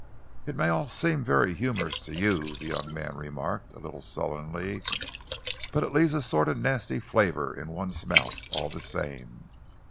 '" "It may all seem very humorous to you," the young man remarked, a little sullenly, "but it leaves a sort of nasty flavour in one's mouth, all the same.